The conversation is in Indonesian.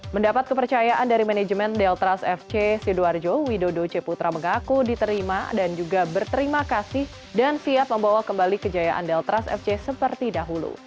mendapat kepercayaan dari manajemen deltras fc sidoarjo widodo c putra mengaku diterima dan juga berterima kasih dan siap membawa kembali kejayaan deltras fc seperti dahulu